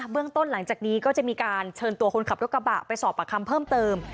เรื่องต้นหลังจากนี้ก็จะมีการเชิญตัวคนขับรถกระบะไปสอบปากคำเพิ่มเติม